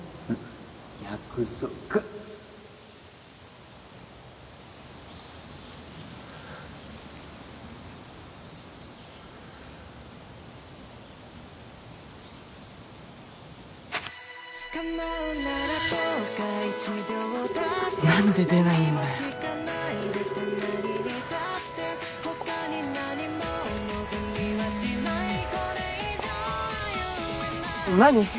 約束何で出ないんだよ何？